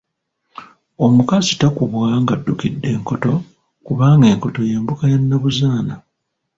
Omukazi takubwa ng'addukidde enkoto kubanga enkoto ye mbuga ya Nnabuzaana.